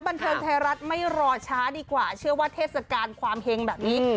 บันเทิงไทยรัฐไม่รอช้าดีกว่าเชื่อว่าเทศกาลความเฮงแบบนี้